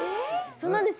そうなんですよ。